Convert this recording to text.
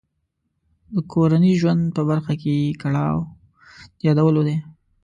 د کورني ژوند په برخه کې یې کړاو د یادولو دی.